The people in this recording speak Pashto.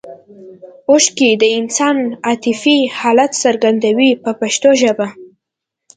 اوښکې د انسان عاطفي حالت څرګندوي په پښتو ژبه.